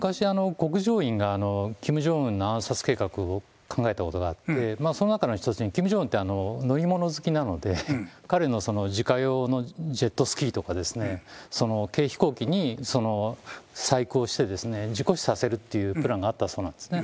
昔、がキム・ジョンウンの暗殺計画を考えたときがあって、その中の１つにキム・ジョンウンって、飲み物好きなので、彼の自家用のジェットスキーとか、軽飛行機に細工をして、事故死させるっていうプランがあったそうですね、